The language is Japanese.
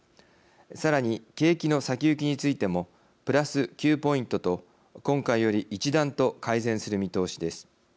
さらに、景気の先行きについてもプラス９ポイントと今回より一段と改善する見通しです。